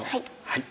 はい。